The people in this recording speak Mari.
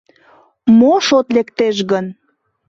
Мо шот лектеш гын?